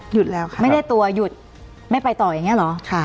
หยุดแล้วค่ะไม่ได้ตัวหยุดไม่ไปต่ออย่างนี้เหรอ